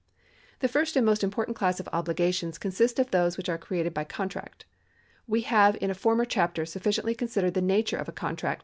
The first and most important class of obligations consists of those which are created by contract. We have in a former chapter sufficiently considered the nature of a contract,^ and 1 (1899) 1 Q. B. 840.